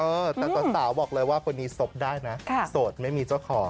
เออแต่ต่อใส่เป็นตอนหน้าบอกเลยว่าคนนี้สบได้ไหมสดไม่มีเจ้าของ